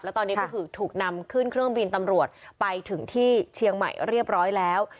แล้วตอนนี้ก็คือถูกนำขึ้นเครื่องบินตำรวจไปถึงที่เชียงใหม่เรียบร้อยแล้ว